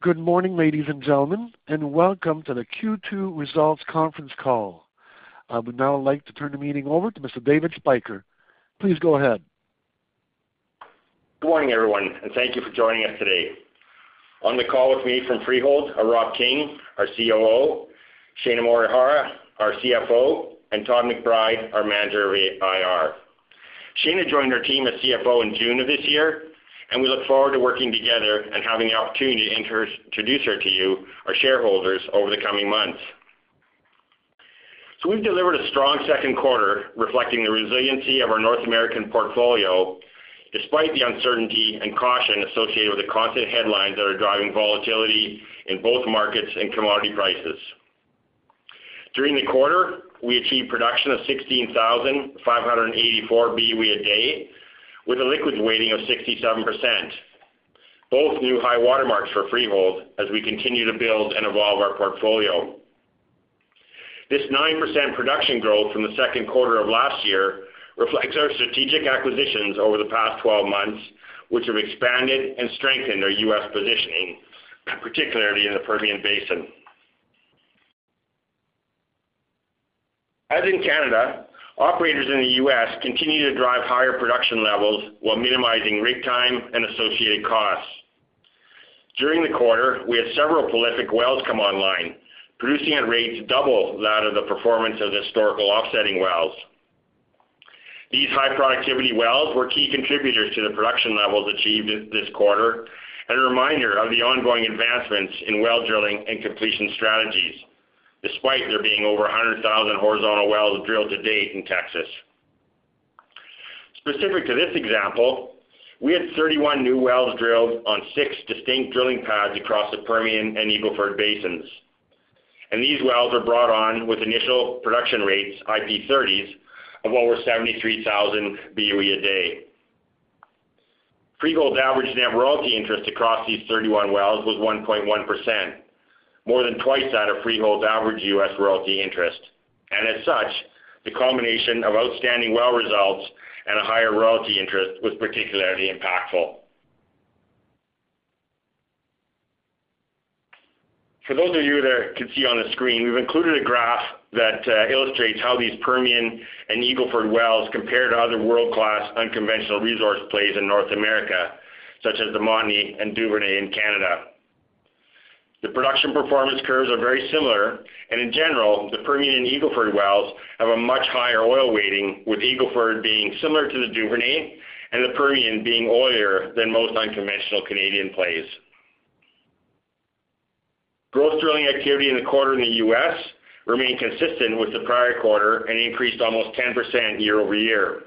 Good morning, ladies and gentlemen, and welcome to the Q2 results conference call. I would now like to turn the meeting over to Mr. David Spyker. Please go ahead. Good morning, everyone, and thank you for joining us today. On the call with me from Freehold are Rob King, our COO, Shaina Morihira, our CFO, and Tom McBride, our Manager of IR. Shaina joined our team as CFO in June of this year, and we look forward to working together and having the opportunity to introduce her to you, our shareholders, over the coming months. We have delivered a strong second quarter, reflecting the resiliency of our North American portfolio despite the uncertainty and caution associated with the constant headlines that are driving volatility in both markets and commodity prices. During the quarter, we achieved production of 16,584 BOE/d, with a liquids weighting of 67%. Both are new high watermarks for Freehold as we continue to build and evolve our portfolio. This 9% production growth from the second quarter of last year reflects our strategic acquisitions over the past 12 months, which have expanded and strengthened our U.S. positioning, particularly in the Permian Basin. As in Canada, operators in the U.S. continue to drive higher production levels while minimizing rig time and associated costs. During the quarter, we had several prolific wells come online, producing at rates double that of the performance of historical offsetting wells. These high-productivity wells were key contributors to the production levels achieved this quarter and a reminder of the ongoing advancements in well drilling and completion strategies, despite there being over 100,000 horizontal wells drilled to date in Texas. Specific to this example, we had 31 new wells drilled on six distinct drilling pads across the Permian and Eagle Ford Basins, and these wells were brought on with initial production rates, IP30s, of over 73,000 BOE/d. Freehold's average net royalty interest across these 31 wells was 1.1%, more than twice that of Freehold's average U.S. royalty interest. The combination of outstanding well results and a higher royalty interest was particularly impactful. For those of you that could see on the screen, we've included a graph that illustrates how these Permian and Eagle Ford wells compare to other world-class unconventional resource plays in North America, such as the Montney and Duvernay in Canada. The production performance curves are very similar, and in general, the Permian and Eagle Ford wells have a much higher oil weighting, with Eagle Ford being similar to the Duvernay and the Permian being oilier than most unconventional Canadian plays. Gross drilling activity in the quarter in the U.S. remained consistent with the prior quarter and increased almost 10% year-over-year.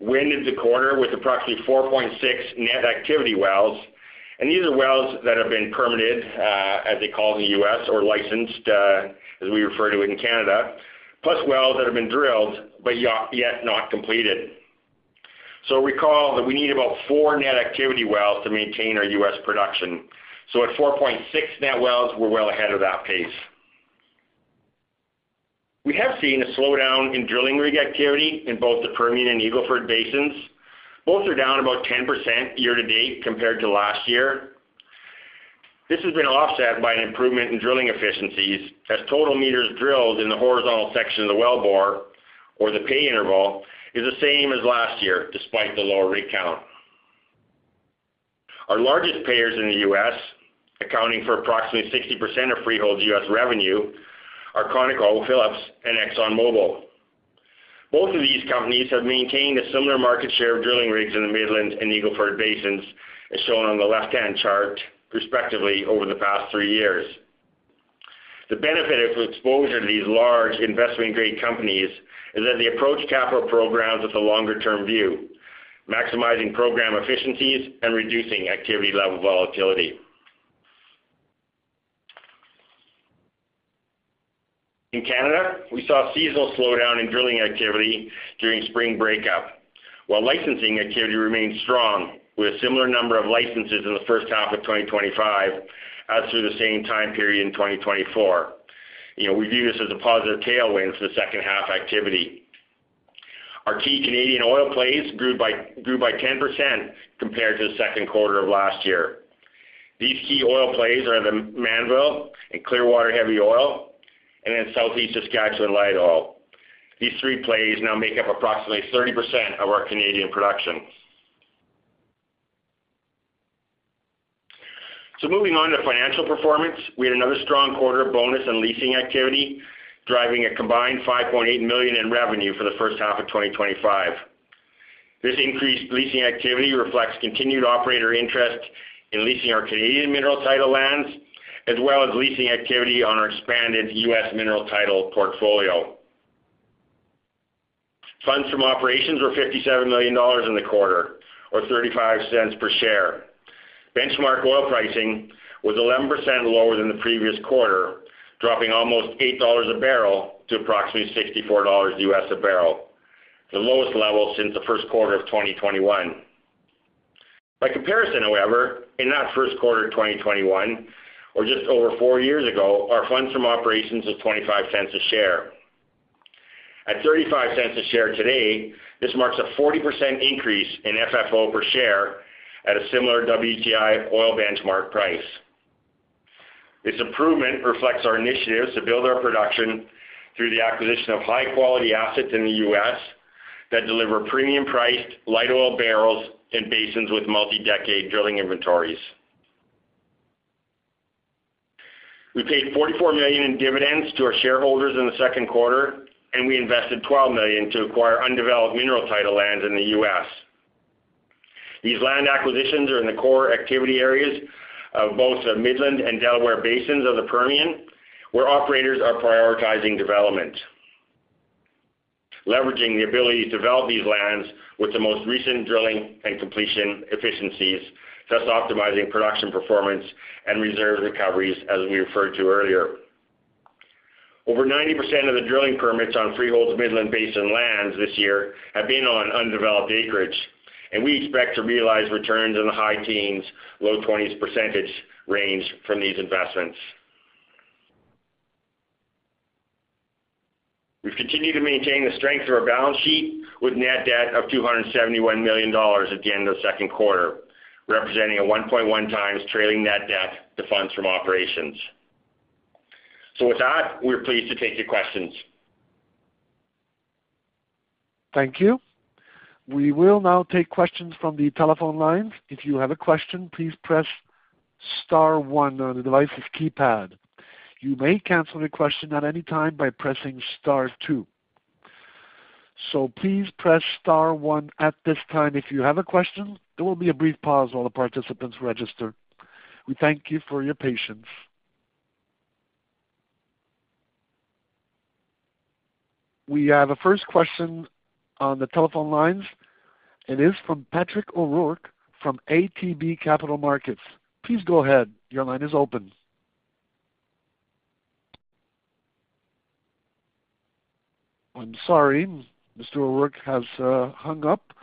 We ended the quarter with approximately 4.6 net activity wells, and these are wells that have been permitted, as they're called in the U.S., or licensed, as we refer to it in Canada, plus wells that have been drilled but yet not completed. Recall that we need about four net activity wells to maintain our U.S. production. At 4.6 net wells, we're well ahead of that pace. We have seen a slowdown in drilling rig activity in both the Permian and Eagle Ford Basins. Both are down about 10% year-to-date compared to last year. This has been offset by an improvement in drilling efficiencies, as total meters drilled in the horizontal section of the wellbore, or the pay interval, is the same as last year, despite the lower rig count. Our largest payers in the U.S., accounting for approximately 60% of Freehold's U.S. revenue, are ConocoPhillips and ExxonMobil. Both of these companies have maintained a similar market share of drilling rigs in the Midland and Eagle Ford Basins, as shown on the left-hand chart, respectively, over the past three years. The benefit of exposure to these large investment-grade companies is that they approach capital programs with a longer-term view, maximizing program efficiencies and reducing activity-level volatility. In Canada, we saw a seasonal slowdown in drilling activity during spring breakup, while licensing activity remains strong, with a similar number of licenses in the first half of 2025 as through the same time period in 2024. We view this as a positive tailwind to the second half activity. Our key Canadian oil plays grew by 10% compared to the second quarter of last year. These key oil plays are the Mannville and Clearwater Heavy Oil, and then Southeast Saskatchewan Light Oil. These three plays now make up approximately 30% of our Canadian production. Moving on to financial performance, we had another strong quarter bonus on leasing activity, driving a combined $5.8 million in revenue for the first half of 2025. This increased leasing activity reflects continued operator interest in leasing our Canadian mineral title lands, as well as leasing activity on our expanded U.S. mineral title portfolio. Funds from operations were $57 million in the quarter, or $0.35 per share. Benchmark oil pricing was 11% lower than the previous quarter, dropping almost $8 a bbl to approximately $64 U.S. a bbl, the lowest level since the first quarter of 2021. By comparison, however, in that first quarter of 2021, or just over four years ago, our funds from operations had $0.25 a share. At $0.35 a share today, this marks a 40% increase in FFO per share at a similar WTI oil benchmark price. This improvement reflects our initiatives to build our production through the acquisition of high-quality assets in the U.S. that deliver premium-priced light oil barrels in basins with multi-decade drilling inventories. We paid $44 million in dividends to our shareholders in the second quarter, and we invested $12 million to acquire undeveloped mineral title lands in the U.S. These land acquisitions are in the core activity areas of both the Midland and Delaware Basins of the Permian, where operators are prioritizing development, leveraging the ability to develop these lands with the most recent drilling and completion efficiencies, thus optimizing production performance and reserve recoveries, as we referred to earlier. Over 90% of the drilling permits on Freehold's Midland Basin lands this year have been on undeveloped acreage, and we expect to realize returns in the high teens, low 20s percentage range from these investments. We have continued to maintain the strength of our balance sheet with net debt of $271 million at the end of the second quarter, representing a 1.1x trailing net debt to funds from operations. We are pleased to take your questions. Thank you. We will now take questions from the telephone line. If you have a question, please press star one on the device's keypad. You may cancel a question at any time by pressing star two. Please press star one at this time if you have a question. There will be a brief pause while the participants register. We thank you for your patience. We have a first question on the telephone lines. It is from Patrick O'Rourke from ATB Capital Markets. Please go ahead. Your line is open. I'm sorry. Mr. O'Rourke has hung up.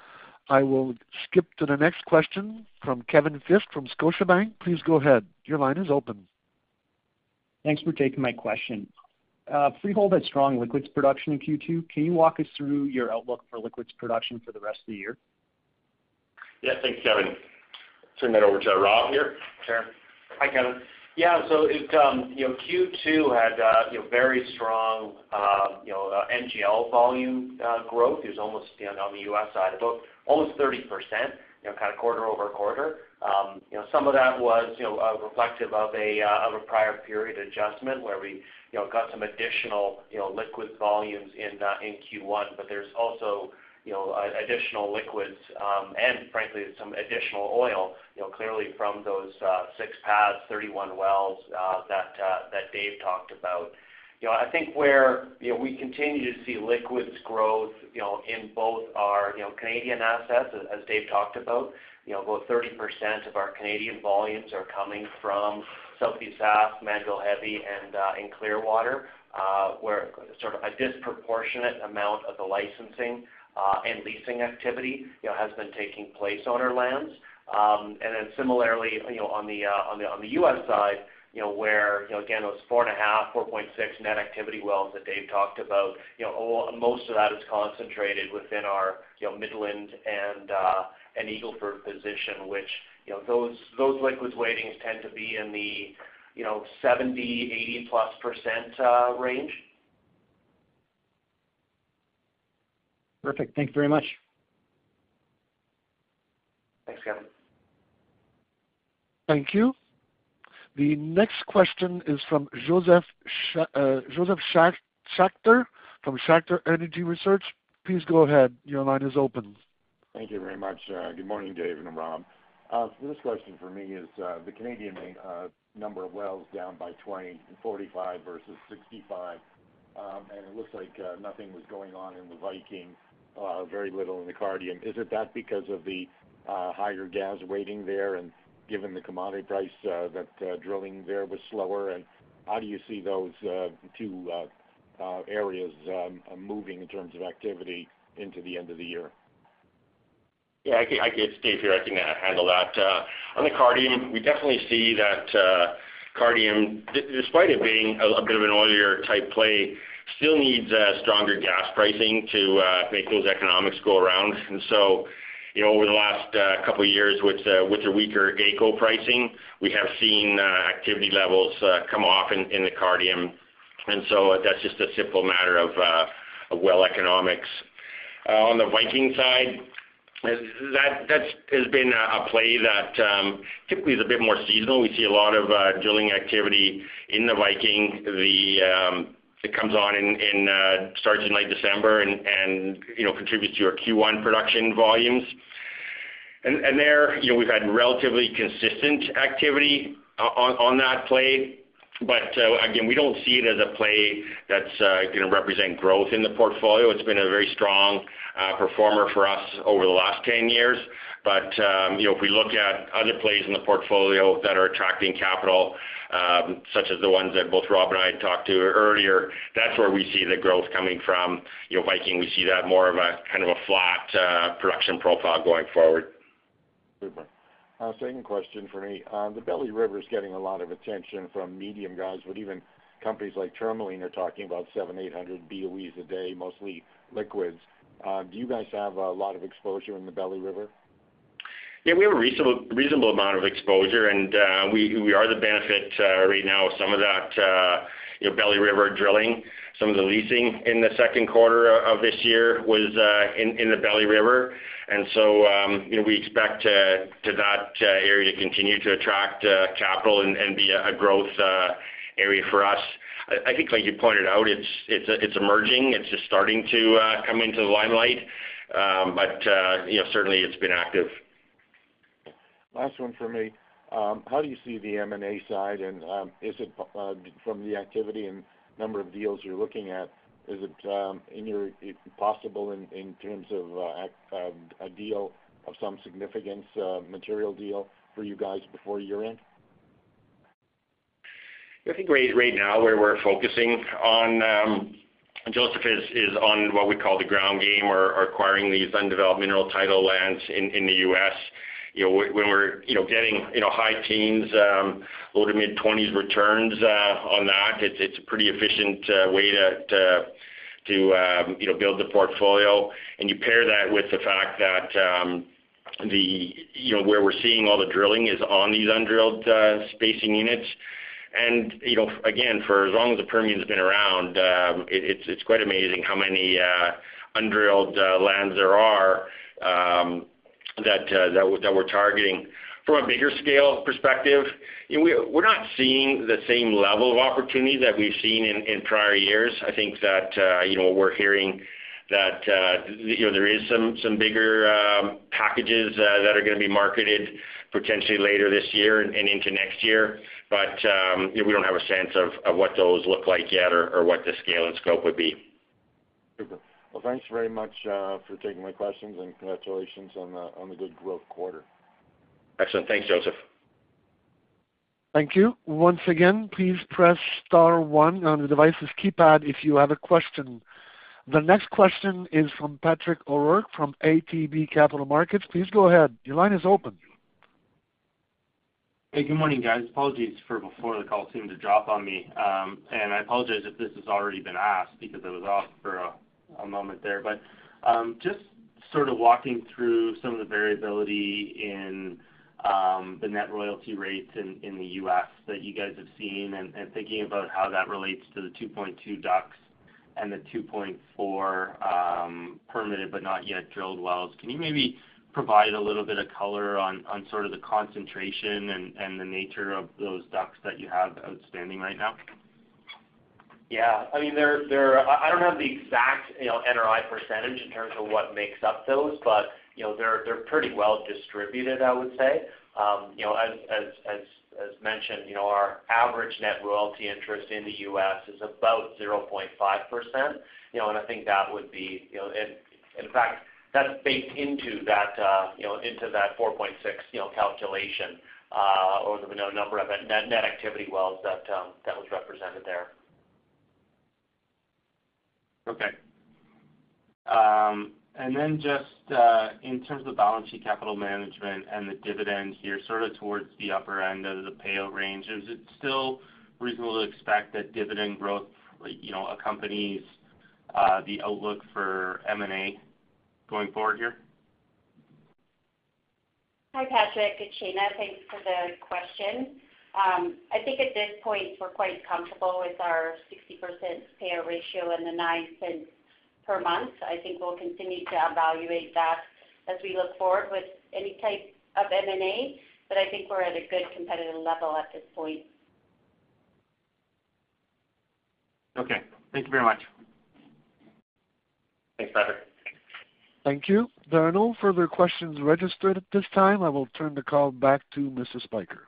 I will skip to the next question from Kevin Fisk from Scotiabank. Please go ahead. Your line is open. Thanks for taking my question. Freehold had strong liquids production in Q2. Can you walk us through your outlook for liquids production for the rest of the year? Yeah, thanks, Kevin. Turn that over to Rob here. Sure. Hi, Kevin. Yeah, Q2 had very strong NGL volume growth, almost 30% on the U.S. side of the book, kind of quarter over quarter. Some of that was reflective of a prior period adjustment where we got some additional liquid volumes in Q1. There's also additional liquids and, frankly, some additional oil, clearly from those six pads, 31 wells that Dave talked about. I think we continue to see liquids growth in both our Canadian assets, as Dave talked about. About 30% of our Canadian volumes are coming from Southeast Saskatchewan, Mannville Heavy, and Clearwater, where a disproportionate amount of the licensing and leasing activity has been taking place on our lands. Similarly, on the U.S. side, those 4.5, 4.6 net activity wells that Dave talked about, most of that is concentrated within our Midland and Eagle Ford position, which, those liquids weighting tend to be in the 70%, 80%+ range. Perfect. Thank you very much. Thanks, Kevin. Thank you. The next question is from Josef Schachter from Schachter Energy Research. Please go ahead. Your line is open. Thank you very much. Good morning, Dave and Rob. The first question for me is the Canadian number of wells down by 20 to 45 versus 65. It looks like nothing was going on in the Viking, very little in the Cardium. Is it that because of the higher gas weighting there, and given the commodity price, that drilling there was slower? How do you see those two areas moving in terms of activity into the end of the year? Yeah, I can't see if I can handle that. On the Cardium, we definitely see that Cardium, despite it being a bit of an oilier type play, still needs stronger gas pricing to make those economics go around. Over the last couple of years, with a weaker gas pricing, we have seen activity levels come off in the Cardium. That's just a simple matter of well economics. On the Viking side, that has been a play that typically is a bit more seasonal. We see a lot of drilling activity in the Viking. It comes on and starts in late December and contributes to our Q1 production volumes. We've had relatively consistent activity on that play. Again, we don't see it as a play that's going to represent growth in the portfolio. It's been a very strong performer for us over the last 10 years. If we look at other plays in the portfolio that are attracting capital, such as the ones that both Rob and I had talked to earlier, that's where we see the growth coming from. Viking, we see that more of a kind of a flat production profile going forward. Thank you. A second question for me. The Belly River is getting a lot of attention from medium guys, but even companies like Tourmaline are talking about 700 BOE/d, 800 BOE/d, mostly liquids. Do you guys have a lot of exposure in the Belly River? Yeah, we have a reasonable amount of exposure, and we are the benefit right now of some of that Belly River drilling. Some of the leasing in the second quarter of this year was in the Belly River, and we expect that area to continue to attract capital and be a growth area for us. I think, like you pointed out, it's emerging. It's just starting to come into the limelight. You know, certainly it's been active. Last one for me. How do you see the M&A side? Is it from the activity and number of deals you're looking at, is it possible in terms of a deal of some significance, a material deal for you guys before year-end? I think right now where we're focusing on, Josef, is on what we call the ground game or acquiring these undeveloped mineral title lands in the U.S. When we're getting high teens, low to mid-20% returns on that, it's a pretty efficient way to build the portfolio. You pair that with the fact that where we're seeing all the drilling is on these undrilled spacing units. For as long as the Permian's been around, it's quite amazing how many undrilled lands there are that we're targeting. From a bigger scale perspective, we're not seeing the same level of opportunity that we've seen in prior years. We're hearing that there are some bigger packages that are going to be marketed potentially later this year and into next year. We don't have a sense of what those look like yet or what the scale and scope would be. Thank you very much for taking my questions and congratulations on the good growth quarter. Excellent. Thanks, Josef. Thank you. Once again, please press star one on the device's keypad if you have a question. The next question is from Patrick O'Rourke from ATB Capital Markets. Please go ahead. Your line is open. Hey, good morning, guys. Apologies for before, the call seemed to drop on me. I apologize if this has already been asked because I was off for a moment there. Just sort of walking through some of the variability in the net royalty rates in the U.S. that you guys have seen and thinking about how that relates to the 2.2 DUCs and the 2.4 permitted but not yet drilled wells. Can you maybe provide a little bit of color on the concentration and the nature of those DUCs that you have outstanding right now? Yeah, I mean, I don't have the exact NRI percentage in terms of what makes up those, but they're pretty well distributed, I would say. As mentioned, our average net royalty interest in the U.S. is about 0.5%. I think that would be, and in fact, that is baked into that, into that 4.6 calculation or the number of net activity wells that that was represented there. Okay. In terms of the balance sheet, capital management, and the dividends here, sort of towards the upper end of the payout range, is it still reasonable to expect that dividend growth accompanies the outlook for M&A going forward here? Hi, Patrick. It's Shaina. Thanks for the question. I think at this point we're quite comfortable with our 60% payout ratio and the 9% per month. I think we'll continue to evaluate that as we look forward with any type of M&A. I think we're at a good competitive level at this point. Okay, thank you very much. Thanks, Patrick. Thank you. There are no further questions registered at this time. I will turn the call back to Mr. Spyker.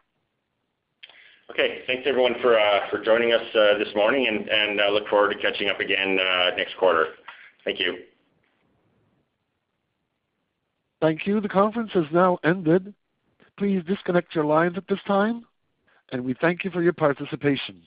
Okay. Thanks, everyone, for joining us this morning. I look forward to catching up again next quarter. Thank you. Thank you. The conference has now ended. Please disconnect your lines at this time, and we thank you for your participation.